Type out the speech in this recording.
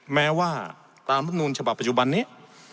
แม้ว่าตามรัฐมนูลฉบับปัจจุบันนี้